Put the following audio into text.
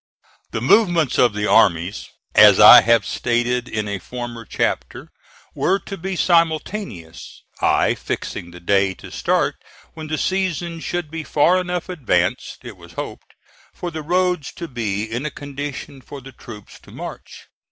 The movements of the armies, as I have stated in a former chapter, were to be simultaneous, I fixing the day to start when the season should be far enough advanced, it was hoped, for the roads to be in a condition for the troops to march.